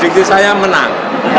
tradisi saya menang